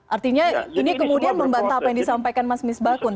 artinya ini kemudian membantah apa yang disampaikan mas misbakun